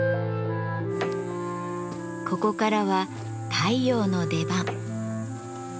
ここからは太陽の出番。